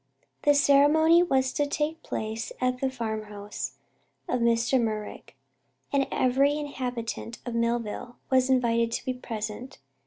The ceremony was to take place at the farmhouse of Mr. Merrick, and every inhabitant of Millville was invited to be present.